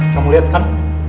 kamu lihat kan